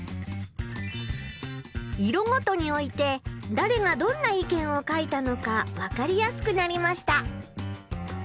色ごとに置いてだれがどんな意見を書いたのか分かりやすくなりました。